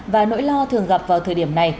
và nỗi lo thường gặp vào thời điểm này